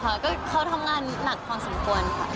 ก็คิดถึงอยู่แล้วค่ะเขาทำงานหนักความสมควรค่ะ